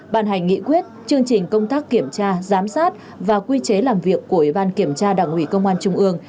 bàn hành nghị quyết chương trình công tác kiểm tra giám sát và quy chế làm việc của ủy ban kiểm tra đảng ủy công an trung ương